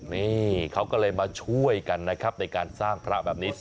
นี่เขาก็เลยมาช่วยกันนะครับในการสร้างพระแบบนี้